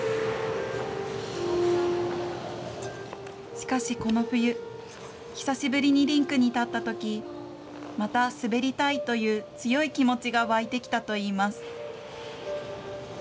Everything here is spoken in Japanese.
しかしこの冬、久しぶりにリンクに立ったとき、また滑りたいという強い気持ちが湧いてきたといいます。